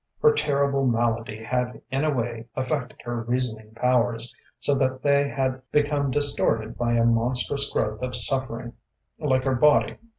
Her terrible malady had in a way affected her reasoning powers, so that they had become distorted by a monstrous growth of suffering, like her body.